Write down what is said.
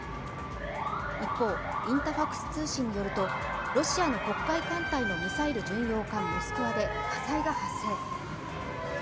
一方、インタファクス通信によるとロシアの黒海艦隊のミサイル巡洋艦「モスクワ」で火災が発生。